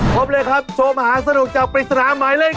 พบเลยครับโชว์มหาสนุกจากปริศนาหมายเลข๓